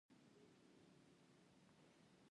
حاکمانو او افسرانو په پوځي کلاوو کې سوکاله ژوند درلوده.